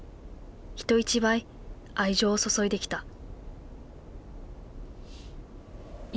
人一倍愛情を注いできた。